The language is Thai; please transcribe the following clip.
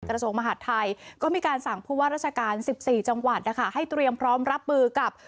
กระทรวงมหาดไทยก็มีการสั่งผู้ว่าราชการ๑๔จังหวัดนะคะให้เตรียมพร้อมรับมือกับ